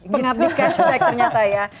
pengabdi cashback ternyata ya